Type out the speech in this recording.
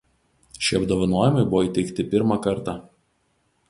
Šie apdovanojimai buvo įteikti pirmą kartą.